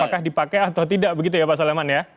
apakah dipakai atau tidak begitu ya pak soleman ya